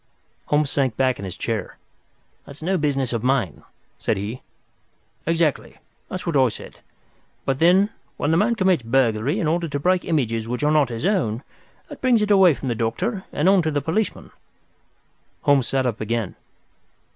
Holmes sank back in his chair. "That's no business of mine," said he. "Exactly. That's what I said. But then, when the man commits burglary in order to break images which are not his own, that brings it away from the doctor and on to the policeman." Holmes sat up again.